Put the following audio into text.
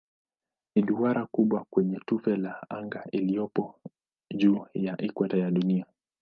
Ni duara kubwa kwenye tufe la anga iliyopo juu ya ikweta ya Dunia.